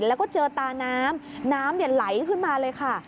แล้วก็เจอตาน้ำน้ำไหลขึ้นมาเลยค่ะ